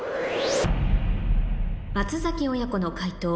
松崎親子の解答